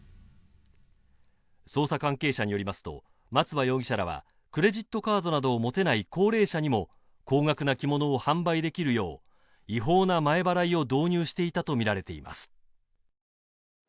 捜査関係者によりますと松葉容疑者らはクレジットカードなどを持てない高齢者にも高額な着物を販売できるよう違法な前払いを導入していたと見られています